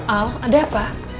al ada apa